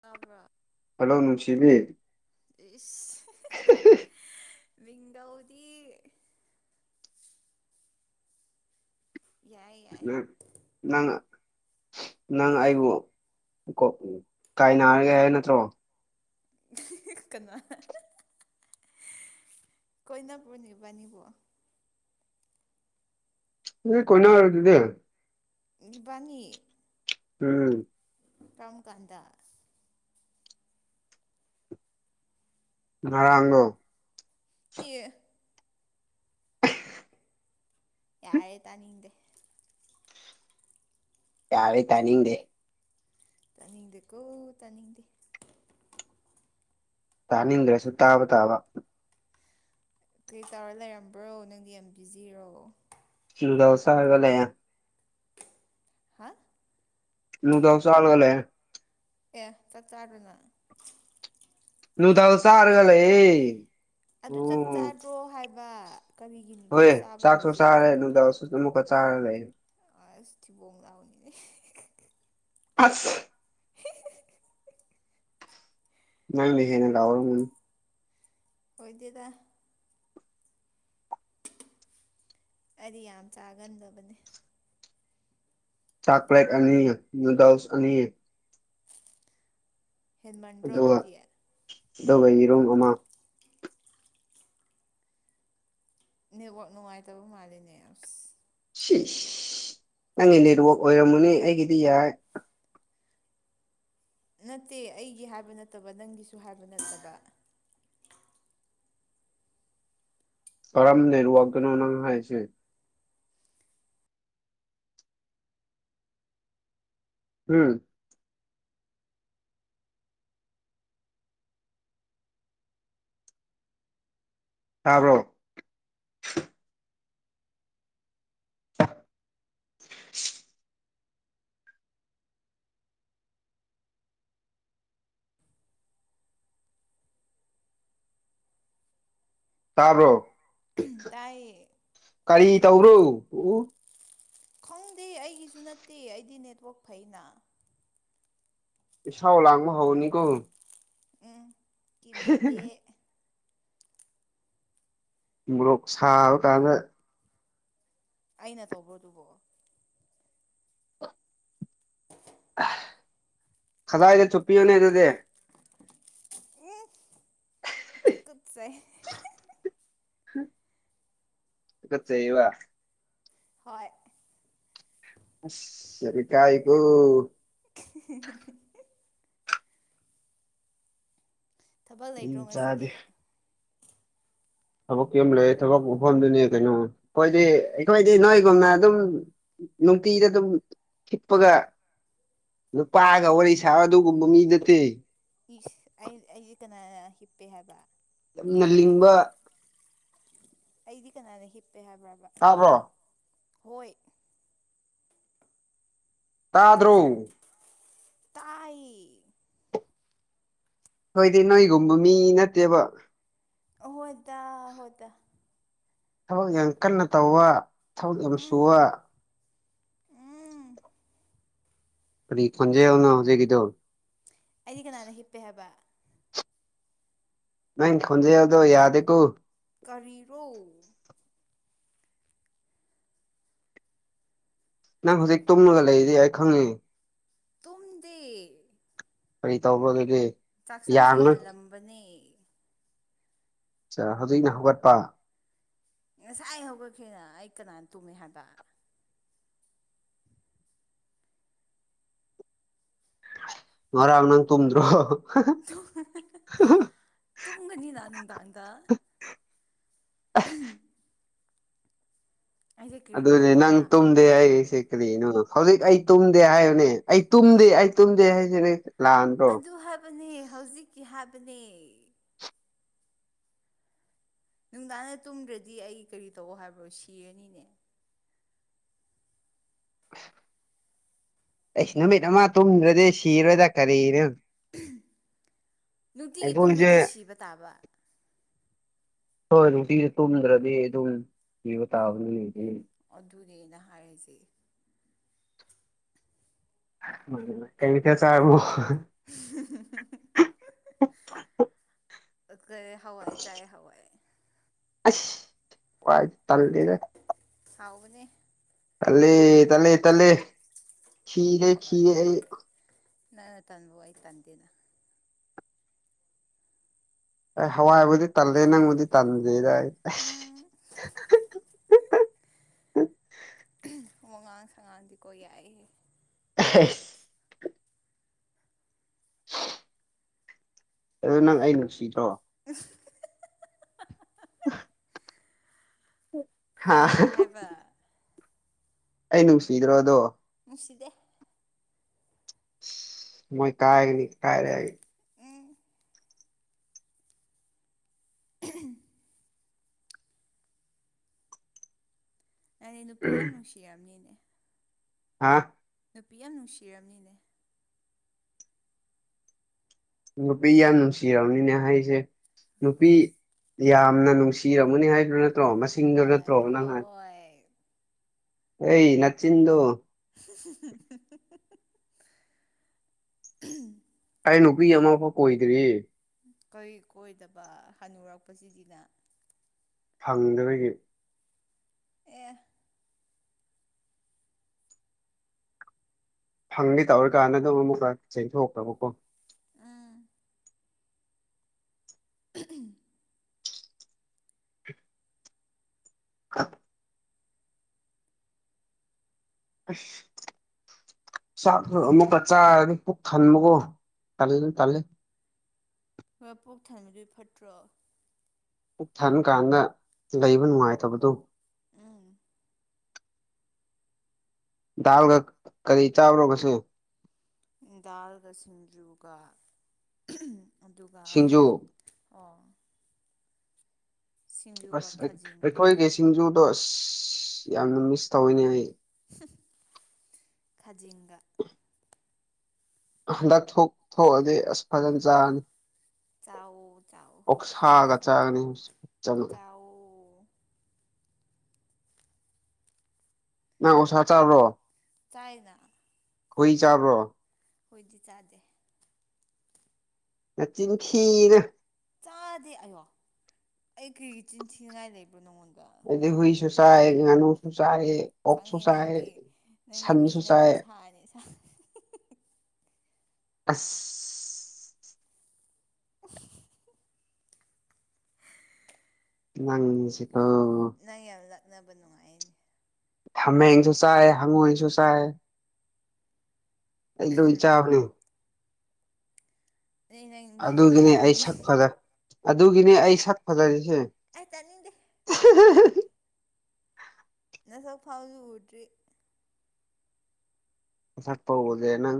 ꯇꯕ꯭ꯔ ꯍꯜꯂꯣ ꯅꯨꯡꯁꯤꯕꯤ ꯏꯁ ꯃꯤꯡꯊꯧꯧꯗꯤ ꯌꯥꯏ ꯌꯥꯏ ꯎꯝ ꯂꯅ ꯅꯪ ꯑꯩꯕꯨ ꯀꯥꯏ ꯅꯥꯔꯒꯦ ꯍꯥꯏ ꯅꯠꯇ꯭ꯔꯣ ꯌ ꯀꯅꯥ ꯀꯣꯏꯅꯕ꯭ꯔꯣꯅꯤꯕꯅꯤꯕꯣ꯫ ꯀꯣꯏꯅꯔꯗꯨꯗꯤ꯫ ꯏꯕꯥꯅꯤ ꯎꯝ ꯀꯔꯝ ꯀꯥꯟꯗ꯫ ꯉꯔꯪꯗꯣ ꯑꯦ ꯌꯥꯏꯦ ꯇꯅꯤꯦ ꯌꯥꯔꯦ ꯇꯥꯅꯤꯡꯗꯦ ꯇꯅꯤꯡꯗꯤꯦ ꯀꯣ ꯇꯅꯤꯡꯗꯤꯦ ꯇꯥꯅꯤꯡꯗ꯭ꯔꯁꯨ ꯇꯥꯕ ꯇꯥꯕ ꯀꯩ ꯇꯧꯔ ꯂꯩꯔꯝꯕ꯭ꯔꯣ ꯅꯪꯗꯤ ꯌꯥꯝ ꯕꯤꯖꯤꯔꯣ ꯗꯁꯥ ꯍꯥꯏꯒꯂ ꯍꯥ ꯂꯨꯗꯥꯑꯣ ꯆꯥꯒꯂꯦ ꯑꯦ ꯆꯥꯛ ꯆꯥꯗꯅ꯫ ꯂꯨꯗꯥꯎ ꯆꯔꯒꯥ ꯍꯜꯂꯛ ꯑꯦ꯫ ꯑꯗꯨ ꯆꯛ ꯆꯥꯗ꯭ꯔꯣ ꯍꯥꯏꯕ ꯀꯔꯤꯒꯤ ꯅꯨꯗꯜꯁ ꯆꯥꯕ꯭ꯔꯣ ꯍꯧꯖꯤꯛ꯫ ꯑꯃꯛꯀ ꯆꯥꯔ ꯂꯩ ꯑꯁ ꯊꯤꯕꯣꯡꯂꯥꯎꯅꯤꯅꯦ ꯑꯥꯁ ꯅꯪꯅ ꯍꯦꯟꯅ ꯂꯥꯎꯔꯝꯒꯅꯤ꯫ ꯑꯣꯏꯗꯦꯗ꯫ ꯑꯩꯗꯤ ꯌꯥꯝ ꯆꯥꯒꯟꯗꯕꯅꯤ꯫ ꯆꯥꯛꯀ꯭ꯂꯦꯠ ꯑꯅꯤ ꯅꯨꯗꯜꯁ ꯑꯅꯤ꯫ ꯍꯦꯟꯃꯟꯗ꯭ꯔꯣ ꯑꯗꯨꯒ ꯑꯗꯨꯗꯤ꯫ ꯑꯗꯨꯒ ꯌꯦꯔꯣꯡ ꯑꯃ꯫ ꯅꯦꯠꯋꯥꯛ ꯅꯨꯡꯉꯥꯏꯇꯕ ꯃꯥꯜꯂꯤꯅꯦ ꯑꯁ꯫ ꯁꯤ ꯅꯪꯒꯤ ꯅꯦꯠꯋꯥꯛ ꯑꯣꯏꯔꯝꯃꯅꯤ ꯑꯩꯒꯤꯗꯤ ꯌꯥꯏ꯫ ꯅꯠꯇꯦ ꯑꯩꯒꯤ ꯍꯥꯏꯕ ꯅꯠꯇꯕ ꯅꯪꯒꯤꯁꯨ ꯍꯥꯏꯕ ꯅꯠꯇꯕ꯫ ꯀꯔꯝ ꯅꯦꯠꯋꯥꯛꯇꯅꯣ ꯅꯪ ꯍꯥꯏꯁꯦ꯫ ꯎꯝ꯫ ꯇꯕꯔꯣ꯫ ꯇꯥꯕ꯭ꯔꯣ ꯇꯥꯏꯌꯦ ꯀꯔꯤ ꯇꯧꯕꯔꯣ ꯎ ꯈꯪꯗꯦ ꯑꯩꯒꯤꯁꯨ ꯅꯠꯇꯦ ꯑꯩꯗꯤ ꯅꯦꯠꯋꯥꯛ ꯐꯩꯅ ꯏꯁꯧ ꯂꯥꯡꯕ ꯍꯧꯅꯤꯀꯣ꯫ ꯎꯝ ꯀꯤꯕꯤꯗꯦ꯫ ꯃꯣꯔꯣꯛ ꯁꯥꯕ ꯀꯥꯟꯗ꯫ ꯑꯩꯅ ꯇꯧꯕ꯭ꯔꯣ ꯑꯗꯨꯕꯣ꯫ ꯈꯖꯥꯏꯗ ꯆꯨꯞꯄꯤꯌꯣꯅꯦ ꯑꯗꯨꯗꯤ꯫ ꯎꯝ ꯇꯨꯀꯠꯆꯩ꯫ ꯇꯨꯀꯠꯖꯩꯕ꯫ ꯍꯣꯏ꯫ ꯑꯁ ꯌꯥꯝ ꯏꯀꯥꯏ ꯀꯣ [unintelligible] ꯊꯕꯛ ꯃꯤ ꯂꯩꯇ꯭ꯔꯣ ꯉꯁꯤꯗꯤ꯫ ꯆꯥꯗꯦ ꯊꯕꯛꯀꯤ ꯑꯃ ꯂꯩ ꯊꯕꯛ ꯃꯐꯝꯗꯨꯅꯤ ꯀꯩꯅꯣ ꯑꯩꯈꯣꯏꯗꯤ ꯑꯩꯈꯣꯏꯗꯤ ꯅꯣꯏꯒꯨꯝꯅ ꯑꯗꯨꯝ ꯅꯨꯡꯇꯤꯗ ꯑꯗꯨꯝ ꯍꯤꯞꯄꯒ ꯅꯨꯄꯥꯒ ꯋꯥꯔꯤ ꯁꯥꯕ ꯑꯗꯨꯒꯨꯝꯕ ꯃꯤ ꯅꯠꯇꯦ꯫ ꯏꯁ ꯑꯩ ꯑꯩꯖꯦ ꯀꯅꯥꯅ ꯍꯤꯞꯄꯦ ꯍꯥꯏꯕ꯫ ꯌꯥꯝꯅ ꯂꯤꯡꯕ ꯑꯩꯗꯤ ꯀꯅꯥꯅꯦ ꯍꯤꯞꯄꯦ ꯍꯥꯏꯕ꯭ꯔꯕ ꯇꯥꯕ꯭ꯔꯣ ꯍꯣꯏ ꯇꯥꯗ꯭ꯔꯣꯡ ꯇꯥꯏ ꯑꯩꯈꯣꯏꯗꯤ ꯅꯣꯏꯒꯨꯝꯕ ꯃꯤ ꯅꯠꯇꯦꯕ ꯍꯣꯏ ꯇꯥ ꯍꯣꯏ ꯇꯥ꯫ ꯊꯕꯛ ꯌꯥꯝ ꯀꯟꯅ ꯇꯧꯕ ꯊꯕꯛ ꯌꯥꯝ ꯎꯝ ꯁꯨꯕ꯫ ꯎꯝ ꯀꯔꯤ ꯈꯣꯟꯖꯦꯜ ꯅꯣ ꯍꯧꯖꯤꯛꯒꯤꯗꯣ꯫ ꯑꯩꯗꯤ ꯀꯅꯥꯅ ꯍꯤꯞꯄꯦ ꯍꯥꯏꯕ꯫ ꯅꯪꯒꯤ ꯈꯣꯟꯖꯦꯜꯗꯣ ꯌꯥꯗꯦꯀꯣ꯫ ꯀꯔꯤꯔꯣ꯫ ꯅꯪ ꯍꯧꯖꯤꯛ ꯇꯨꯝꯉꯒ ꯂꯩꯔꯤꯗꯤ ꯑꯩ ꯈꯪꯉꯦ [unintelligible] ꯀꯔꯤ ꯇꯧꯕꯔꯥ ꯑꯗꯨꯗꯤ ꯆꯥꯛꯁꯪ ꯌꯥꯡꯅ ꯁꯦꯡꯍꯜꯂꯝꯕꯅꯦ ꯍꯧꯖꯤꯛꯅ ꯍꯧꯒꯠꯄ ꯉꯁꯥꯏ ꯍꯧꯒꯠꯈꯔꯦꯅ ꯑꯩ ꯀꯅꯥꯅ ꯇꯨꯝꯃꯦ ꯍꯥꯏꯕ ꯃꯔꯥꯡ ꯅꯪ ꯇꯨꯝꯗꯔꯣ [unintelligible] ꯇꯨꯝꯒꯅꯤꯅ ꯅꯨꯡꯗꯥꯡꯗ [inaudible] ꯑꯩꯁꯦ ꯀꯔꯤ ꯑꯗꯨꯅꯦ ꯃꯥꯟꯕ꯭ꯔꯣ ꯅꯪ ꯍꯥ ꯇꯨꯝ ꯇꯨꯝꯗꯦ ꯍꯥꯏꯔꯤꯁꯦ ꯀꯔꯤꯅꯣ ꯍꯧꯖꯤꯛ ꯑꯩ ꯇꯨꯝꯗꯦ ꯍꯥꯏꯕꯅꯦ ꯑꯩ ꯇꯨꯝꯗꯦ ꯑꯩ ꯇꯨꯝꯗꯦ ꯍꯥꯏꯁꯤꯅꯤ ꯑꯗꯨ ꯍꯥꯏꯕꯅꯦ ꯍꯧꯖꯤꯛꯀꯤ ꯍꯥꯏꯕꯅꯦ ꯅꯨꯡꯗꯥꯡꯅ ꯇꯨꯝꯗ꯭ꯔꯗꯤ ꯑꯩ ꯀꯔꯤ ꯇꯧ ꯍꯥꯏꯕ꯭ꯔꯣ ꯁꯤꯔꯅꯤꯅꯦ ꯑꯁ ꯑꯩꯁ ꯅꯨꯃꯤꯠ ꯑꯃ ꯇꯨꯝꯗ꯭ꯔꯗꯤ ꯁꯤꯔꯣꯏꯗ ꯀꯔꯤꯅꯣ ꯅꯨꯡꯇꯤꯒꯤ ꯑꯩꯈꯣꯏꯁꯦ ꯇꯨꯝꯗꯗꯤ ꯁꯤꯕ ꯇꯥꯕ ꯍꯣꯏ ꯅꯨꯡꯇꯤꯗ ꯇꯨꯝꯗ꯭ꯔꯗꯤ ꯑꯗꯨꯝ ꯁꯤꯕ ꯇꯥꯕꯅꯤ ꯍꯦ ꯑꯗꯨꯅꯦ ꯑꯩꯅ ꯍꯥꯏꯔꯤꯁꯦ [unintelligible] ꯀꯩ ꯃꯊꯦꯜ ꯆꯥꯔꯃꯣ [unintelligible] [unintelligible] ꯍꯋꯥꯏ ꯆꯥꯥꯏ ꯍꯋꯥꯏ ꯑꯁ ꯋꯥꯏ ꯇꯜꯂꯤꯗ ꯍꯥꯎꯕꯅꯦ ꯇꯜꯂꯦ ꯇꯜꯂꯦ ꯇꯜꯂꯦ ꯈꯤꯔꯦ ꯈꯤꯔꯦ ꯑꯩ ꯅꯪ ꯇꯥꯟꯕꯕꯨ ꯑꯩ ꯇꯗꯦꯗ ꯑꯩ ꯍꯋꯥꯏꯕꯨꯗꯤ ꯇꯜꯂꯦ ꯅꯪꯕꯨꯗꯤ ꯇꯟꯗꯦꯗ ꯑꯩ ꯎꯝ ꯋꯥꯉꯥꯡ ꯁꯉꯥꯡꯗꯤꯀꯣ ꯌꯥꯏ ꯑꯦ [inaudible] ꯑꯗꯨ ꯅꯪ ꯑꯩ ꯅꯨꯡꯁꯤꯗ꯭ꯔꯣ [unintelligible] ꯍꯥ ꯀꯅꯥꯅ ꯍꯥꯏꯕ ꯑꯩ ꯅꯨꯡꯁꯤꯗ꯭ꯔꯣ ꯑꯗꯣ ꯅꯨꯡꯁꯤꯗꯦ ꯊꯃꯣꯏ ꯀꯥꯏꯒꯅꯤ ꯀꯥꯏꯔ ꯎꯝ [inaudible] [unintelligible] ꯅꯨꯄꯤ ꯌꯥꯝ ꯅꯨꯡꯁꯤꯔꯝꯅꯤꯅꯦ ꯍꯥꯥ ꯅꯨꯄꯤ ꯌꯥꯝ ꯅꯨꯡꯁꯤꯔꯝꯅꯤꯅꯦ ꯅꯨꯄꯤ ꯌꯥꯝ ꯅꯨꯡꯁꯤꯔꯝꯅꯤꯅꯦ ꯍꯥꯏꯁꯦ ꯅꯨꯄꯤ ꯌꯥꯝꯅ ꯅꯨꯡꯁꯤꯔꯝꯒꯅꯤ ꯍꯥꯏꯕ ꯅꯠꯇ꯭ꯔꯣ ꯃꯁꯤꯡꯗ ꯅꯠꯇ꯭ꯔꯣ ꯍꯣꯏ ꯅꯪ ꯍꯥꯏ ꯍꯣꯏ ꯑꯩ ꯅꯆꯤꯟꯗꯣ [inaudible] ꯑꯩ ꯅꯨꯄꯤ ꯑꯃꯐꯥꯎ ꯀꯣꯏꯗ꯭ꯔꯤ ꯀꯔꯤ ꯀꯣꯏꯗꯕ ꯍꯅꯨꯔꯛꯄꯁꯤꯗꯤꯅ ꯐꯪꯗꯕꯒꯤ ꯑꯦ ꯐꯪꯒꯦ ꯇꯧꯔꯤꯀꯥꯟꯗ ꯑꯗꯨꯝ ꯑꯃꯨꯛꯀ ꯆꯦꯟꯊꯣꯛꯇꯕꯀꯣ ꯎꯝ ꯎꯝ [inaudible] ꯀ [inaudible] ꯑꯁ ꯆꯥꯛ ꯑꯃꯨꯛꯀ ꯆꯥꯔꯅꯤ ꯄꯨꯛ ꯊꯟꯕꯒꯣ ꯇꯥꯜꯂꯦ ꯇꯥꯥꯜꯂꯦ ꯍꯣꯏ ꯄꯣꯛ ꯊꯟꯕꯗꯨꯏ ꯐꯠꯇ꯭ꯔꯣ ꯄꯨꯛ ꯊꯟ ꯀꯥꯟꯗ ꯂꯩꯕ ꯅꯨꯡꯉꯥꯏꯇꯕꯗꯣ ꯎꯝ ꯗꯥꯜꯒ ꯀꯔꯤ ꯆꯥꯕ꯭ꯔꯣ ꯉꯁꯤ ꯗꯥꯜꯒ ꯁꯤꯡꯖꯨꯒ ꯑꯗꯨꯒ ꯁꯤꯡꯖꯨ ꯑꯣ ꯁꯤꯡꯖꯨꯒ ꯑꯁ ꯈꯥꯖꯤꯡꯒ ꯑꯩꯈꯣꯏꯒꯤ ꯁꯤꯡꯖꯨꯗꯣ ꯑꯁ ꯌꯥꯝꯅ ꯃꯤꯁ ꯇꯧꯋꯤꯅꯦ ꯑꯩ ꯈꯥꯖꯤꯡꯒ ꯍꯗꯛ ꯊꯣꯛꯑꯗꯤ ꯊꯣꯛꯑꯗꯤ ꯑꯁ ꯐꯥꯖꯅ ꯆꯔꯅꯤ ꯆꯥꯎꯋꯣ ꯆꯥꯎꯋꯣ ꯑꯣꯛꯁꯒ ꯆꯥꯒꯅꯤ [unintelligible] ꯆꯥꯎꯋꯣ ꯅꯪ ꯑꯣꯛꯁꯥ ꯆꯥꯕꯔꯣ ꯆꯥꯏꯅꯥ ꯍꯨꯢ ꯆꯥꯕ꯭ꯔꯣ ꯍꯨꯏꯗꯤ ꯆꯥꯗꯦ ꯅꯆꯤꯡ ꯊꯤꯀꯅꯨ ꯆꯥꯗꯦ ꯑꯩꯌꯣ ꯑꯩ ꯀꯔꯤꯒꯤ ꯆꯤꯟ ꯊꯤꯅꯤꯡꯉꯥꯏ ꯂꯩꯕ꯭ꯔꯣ ꯅꯉꯣꯟꯗꯣ ꯑꯩꯗꯤ ꯍꯨꯏꯁꯨ ꯆꯥꯏ ꯉꯅꯨꯁꯨ ꯆꯥꯢ ꯑꯣꯛ ꯁꯨ ꯆꯥꯢ ꯅꯪꯒꯤ ꯃꯤ ꯅꯠꯇꯦ ꯁꯥꯅꯤ ꯁꯥ ꯑꯁ ꯅꯪꯁꯤꯒꯣ ꯅꯪ ꯌꯥꯝ ꯂꯛꯅꯕ ꯅꯨꯡꯉꯥꯏꯅꯦ ꯍꯥꯃꯦꯡꯁꯨ ꯆꯥꯏ ꯍꯪꯉꯣꯏꯁꯨ ꯆꯥꯏ ꯑꯩ ꯂꯣꯏ ꯆꯥꯕꯅꯦ ꯑꯗꯩ ꯅꯪ ꯃꯤꯁꯨ ꯑꯗꯨꯒꯤꯅꯦ ꯑꯩ ꯆꯥꯔꯝꯅꯤ ꯁꯛ ꯐ ꯑꯗꯨꯒꯤꯅꯦ ꯑꯩ ꯁꯛ ꯐꯖꯔꯤꯁꯦ ꯑꯦ ꯇꯅꯤꯡꯗꯦ [inaudible] ꯅꯁꯛ ꯐꯥꯎꯁꯨ ꯎꯗ꯭ꯔꯤ ꯑꯁꯛꯄ ꯎꯗꯦ ꯅꯪ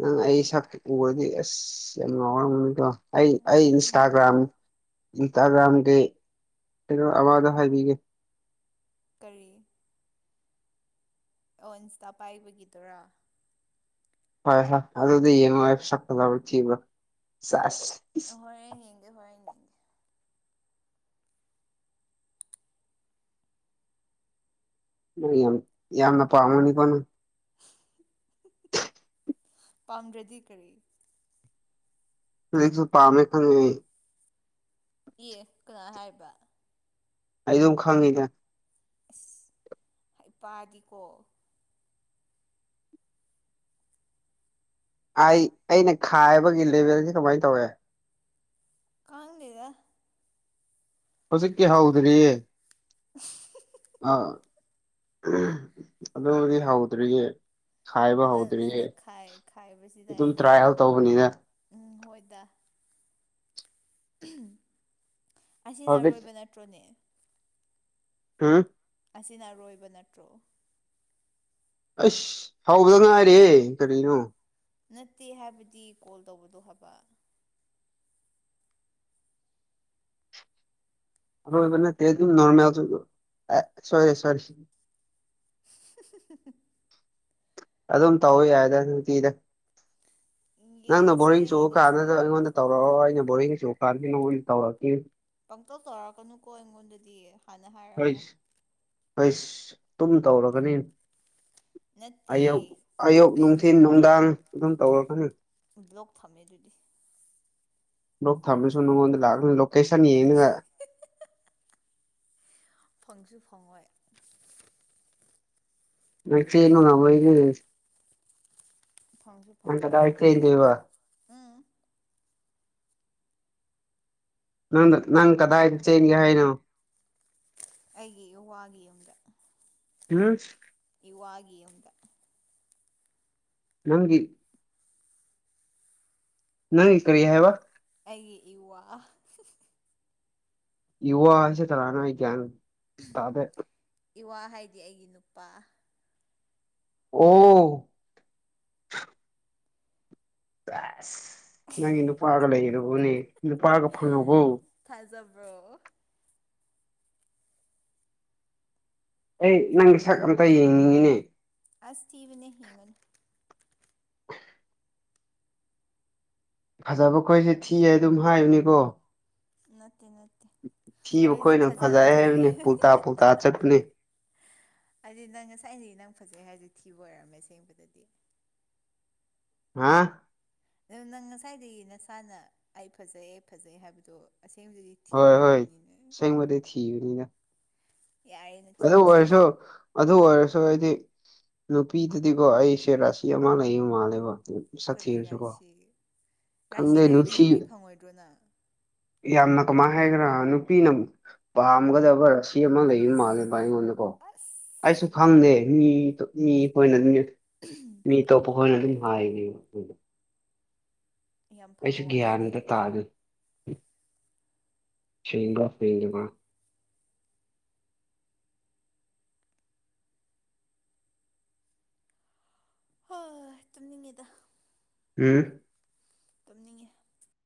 ꯅꯪ ꯑꯩ ꯁꯛ ꯎꯔꯗꯤ ꯑꯁ ꯌꯥꯝ ꯉꯥꯎꯔꯝꯒꯅꯤꯀꯣ ꯑꯩ ꯑꯩ ꯏꯟꯁꯇꯥꯒ꯭ꯔꯥꯝ ꯎꯝ ꯏꯟꯁꯇꯥꯒ꯭ꯔꯥꯝꯒꯤ ꯀꯩꯅꯣ ꯑꯃꯗꯣ ꯍꯥꯏꯕꯤꯒꯦ ꯀꯔꯤ ꯑꯣ ꯢꯟꯁꯇꯥ ꯄꯥꯏꯕꯒꯤꯗꯨꯔꯥ ꯍꯣꯢ ꯍꯣꯢ ꯑꯗꯨꯗ ꯌꯦꯡꯉꯣ ꯑꯩ ꯁꯛ ꯐꯖꯕ꯬ꯔꯥ ꯊꯤꯕ꯭ꯔꯥ ꯁꯦꯁ ꯍꯣꯔꯦꯟ ꯌꯦꯡꯒꯦ ꯍꯣꯔꯦꯟ ꯌꯦꯡꯒꯦ ꯌꯥꯝ ꯌꯥꯝꯅ ꯄꯥꯝꯒꯅꯤꯒꯣ ꯅꯪ ꯄꯥꯝꯗ꯭ꯔꯗꯤ ꯀꯔꯤ ꯍꯧꯖꯤꯛꯁꯨ ꯄꯥꯝꯃꯦ ꯈꯪꯉꯦ ꯑꯩ ꯏ ꯀꯅꯥ ꯍꯥꯏꯕ ꯑꯩ ꯑꯗꯨꯝ ꯈꯪꯉꯤꯗ ꯑꯁ ꯍꯩꯄꯥꯗꯤꯀꯣ ꯑꯩ ꯑꯩꯅ ꯈꯥꯏꯕꯒꯤ ꯂꯦꯚꯦꯜꯁꯤ ꯀꯃꯥꯏꯅ ꯇꯧꯋꯦ ꯈꯪꯗꯦꯗ ꯍꯧꯖꯤꯛꯀꯤ ꯍꯧꯗ꯭ꯔꯤꯌꯦ ꯑꯥ ꯑꯗꯨꯕꯨꯗꯤ ꯍꯧꯗ꯭ꯔꯤꯌꯦ ꯈꯥꯏꯕ ꯅꯪ ꯍꯧꯗ꯭ꯔꯤꯌꯦ ꯅꯪꯅ ꯈꯥꯏ ꯈꯥꯏꯕꯁꯤꯗ ꯑꯗꯨꯝ ꯑꯩꯅ ꯇ꯭ꯔꯥꯏꯌꯦꯜ ꯇꯧꯕꯅꯤꯅ ꯎꯝ ꯍꯣꯏ ꯗꯥ ꯑꯁꯤꯅ ꯍꯧꯖꯤꯛ ꯑꯔꯣꯏꯕ ꯅꯠꯇ꯭ꯔꯣꯅꯦ ꯍꯨꯝ ꯑꯁꯤꯅ ꯑꯔꯣꯏꯕ ꯅꯠꯇ꯭ꯔꯣ ꯑꯁ ꯍꯧꯗ ꯉꯥꯏꯔꯤꯔꯦ ꯀꯔꯤꯅꯣ ꯅꯠꯇꯦ ꯍꯥꯏꯕꯗꯤ ꯀꯣꯜ ꯇꯧꯕꯗꯣ ꯍꯥꯏꯕ ꯂꫭꯏꯕ ꯅꯠꯇꯩ ꯑꯗꯨꯝ ꯅꯣꯔꯃꯦꯜ ꯖꯨꯗꯨꯝ ꯁꫭꯏꯔꯦ ꯁꫭꯏꯔꯦ [inaudible] [unintelligible] ꯑꯗꯨꯝ ꯇꯧꯕ ꯌꯥꯏꯗ ꯅꯨꯡꯇꯤꯗ ꯅꯪꯅ ꯌꯦꯡꯉꯁꯦ ꯕꯣꯔꯤꯡ ꯆꯨꯕ ꯌꯦꯡꯉꯁꯦ ꯀꯥꯟꯗꯗ ꯑꯩꯉꯣꯟꯗ ꯇꯧ ꯍꫭ ꯑꯩꯅ ꯕꯣꯔꯤꯡꯆꯨ ꯀꯥꯟꯁꯨ ꯅꯉꫭꯟꯗ ꯇꯧꯔꯛꯅꯤ ꯄꯪꯇꯧ ꯇꯧꯔꯛꯀꯅꯨꯀꯣ ꯑꯩꯉꯣꯟꯗꯗꯤ ꯍꯥꯟꯅ ꯍꯥꯏꯔꯝꯃꯣ ꯍꯥꯁ ꯍꯥꯁ ꯑꯗꯨꯝ ꯇꯧꯔꯒꯅꯤ ꯅꯠꯇꯦ ꯑꯌꯨ ꯑꯌꯨꯛ ꯅꯨꯡꯊꯤꯟ ꯅꯨꯡꯗꯥꯡ ꯑꯗꯨꯝ ꯇꯧꯔꯒꯅꯤ ꯕ꯭ꯂꯣꯛ ꯊꯝꯃꯦ ꯑꯗꯨꯗꯤ ꯂꯣꯛ ꯊꯝꯃꯦꯁꯨ ꯅꯉꯣꯟꯗ ꯂꯥꯛꯅꯤ ꯂꯣꯀꯦꯁꯟ ꯌꯦꯡꯉꯒ ꯐꯪꯁꯨ ꯐꯪꯉꯣꯏ ꯅꯪ ꯆꯦꯟꯕ ꯉꯥꯝꯃꯣꯏꯅꯦ ꯐꯪꯁꯨ ꯅꯪ ꯐꯪꯉꯣꯏ ꯀꯗꯥꯏ ꯆꯦꯟꯗꯨꯏꯕ ꯎꯝ ꯅꯪꯗ ꯅꯪ ꯀꯗꯥꯏ ꯆꯦꯟꯒꯦ ꯍꯥꯏꯅꯣ ꯑꯩꯒꯤ ꯏꯋꯥꯒꯤ ꯌꯨꯝꯗ ꯎꯝ ꯏꯋꯥꯒꯤ ꯌꯨꯝꯗ ꯅꯪꯒꯤ ꯅꯪꯒꯤ ꯀꯔꯤ ꯍꯥꯏꯕ ꯑꯩꯒꯤ ꯏꯋꯥ ꯏꯋꯥꯁꯦ ꯀꯅꯥꯅꫭ ꯑꯩ ꯒꯌꯥꯟ ꯇꯥꯗꯔꯦ ꯏꯋꯥ ꯍꯥꯏꯗꯤ ꯑꯩꯒꯤ ꯅꯨꯄꯥ ꯑꯣ ꯗꯦꯁ ꯅꯪꯒꯤ ꯅꯨꯄꯥꯒ ꯂꯩꯔꯕꫭꯅꯦ ꯅꯨꯄꯥꯒ ꯐꯪꯉꯕꯣ ꯊꯥꯖꯕ꯭ꯔꯣ ꯑꯩ ꯅꯪꯒꯤ ꯁꯛ ꯑꯝꯇ ꯌꯦꯡꯅꯤꯡꯉꯤꯅꯦ ꯑꯁ ꯊꯤꯕꯅꯦ ꯌꯦꯡꯉꯅꯨ ꯐꯖꯕ ꯈꯣꯏꯁꯦ ꯊꯤꯌꯦ ꯑꯗꯨꯝ ꯍꯥꯏꯕꯅꯤꯀꯣ ꯅꯠꯇꯦ ꯅꯠꯇꯦ ꯑꯗꯨꯗꯤ ꯊꯤꯕꯈꯣꯏꯅ ꯐꯖ ꯐꯖꯩ ꯑꯗꯨꯗꯤ ꯍꯥꯏꯕꯅꯦ ꯄꯨꯜꯇꯥ ꯄꯨꯜꯇꯥ ꯆꯠꯄꯅꯦ ꯍꯥꯏꯗꯤ ꯅꯪ ꯉꯁꯥꯏꯗꯗꯤ ꯅꯪ ꯐꯖꯩ ꯍꯥꯏꯕꯖꯦ ꯊꯤꯕ ꯑꯣꯏꯔꯝꯃꯦ ꯑꯁꯦꯡꯕꯗꯗꯤ ꯍꯥ ꯅꯪ ꯅꯪꯉꯁꯥꯏꯗꯒꯤ ꯅꯁꯥꯅ ꯑꯩ ꯐꯖꯩ ꯑꯩ ꯐꯖꯩ ꯍꯥꯏꯕꯗꯣ ꯑꯁꯦꯡꯕꯗꯤ ꯍꯣꯏ ꯍꯣꯏ ꯑꯁꯦꯡꯕꯗꯤ ꯊꯤꯕꯅꯤꯗ ꯌꯥꯏꯌꯦ ꯑꯗꯨ ꯑꯣꯏꯔꯁꯨ ꯑꯗꯨ ꯑꯣꯏꯔꯁꯨ ꯑꯩꯗꯤ ꯅꯨꯄꯤꯗꯗꯤꯀꯣ ꯑꯩꯁꯦ ꯔꯥꯁꯤ ꯑꯃ ꯂꯩꯕ ꯃꯥꯜꯂꯦꯕ ꯀꯔꯤ ꯁꯛꯊꯤꯔꯁꯨ ꯀꯣ ꯔꯥꯁꯤ ꯔꯥꯁꯤ ꯈꯪꯗꯦ ꯂꯩꯔꯗꯤ ꯅꯨꯄꯤ ꯐꯪꯉꯣꯏꯗ꯭ꯔꯣ ꯅꯪ ꯌꯥꯝꯅ ꯀꯃꯥꯏ ꯍꯥꯏꯒ꯭ꯦꯔꯥ ꯅꯨꯄꯤꯅ ꯄꯥꯝꯒꯗꯕ ꯔꯥꯁꯤ ꯑꯃ ꯑꯁ ꯂꯩꯕꯃꯥꯜꯂꯦ ꯕꯥꯏ ꯑꯩꯉꯣꯟꯗꯀꯣ ꯑꯁ ꯑꯩꯁꯨ ꯈꯪꯗꯦ ꯃꯤꯇꯨ ꯃꯤ ꯐꫭꯟꯗꯅꯦ ꯎꯝ ꯃꯤ ꯇꯣꯄꯍꯣꯅ ꯑꯗꯨ ꯍꯥꯏ ꯌꯥꯝ ꯐꯕ ꯑꯩꯁꯨ ꯒ꯭ꯌꯥꯟ ꯋꯥꯅꯤꯅꯦ ꯑꯃꯇ ꯑꯗꯨꯗꯤ ꯇꯥꯗꯦ ꯁꯦꯡꯕ ꯄꯤꯔꯤꯕ ꯍꯣꯏ ꯇꯨꯝꯅꯤꯡꯉꯤꯗ ꯎꯝ ꯇꯨꯝꯅꯤꯡꯉꯦ